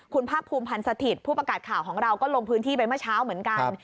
คุณภาคภูมิพันธ์สถิตย์ผู้ประกาศข่าวของเราก็ลงพื้นที่ไปเมื่อเช้าเหมือนกัน